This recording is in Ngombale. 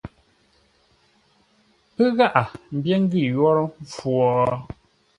Pə́ gháʼa mbyér ngʉ̂ yórə́ mpfu wo ?